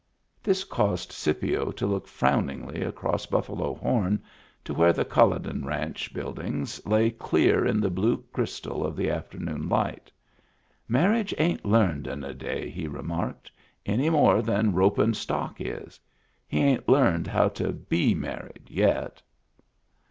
This caused Scipio to look frowningly across Buffalo Horn to where the CuUoden Ranch buildings lay clear in the blue crystal of the after noon light. " Marriage ain't learned in a day," he remarked, "any more than ropin' stock is. He ain't learned how to be married yet."